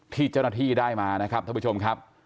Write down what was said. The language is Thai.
ที่เจ้าหน้าที่ได้มานะครับท่านผู้ชมครับ